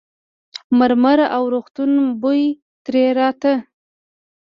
د مرمر او روغتون بوی ترې راته.